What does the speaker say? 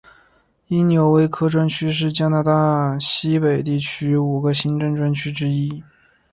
因纽维克专区是加拿大西北地区五个行政专区之一。